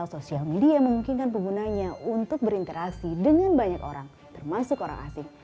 sosial media memungkinkan penggunanya untuk berinteraksi dengan banyak orang termasuk orang asing